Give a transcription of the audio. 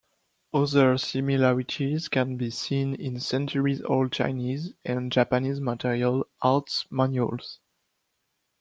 Other similarities can be seen in centuries-old Chinese and Japanese martial arts manuals.